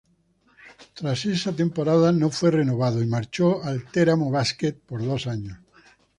Tras esa temporada no fue renovado, y marchó al Teramo Basket por dos años.